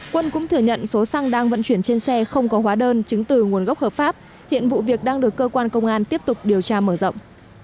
quân cũng thừa nhận số xăng đang vận chuyển trên xe không có hóa đơn chứng từ nguồn gốc hợp pháp hiện vụ việc đang được cơ quan công an tiếp tục điều tra mở rộng